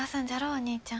お兄ちゃん。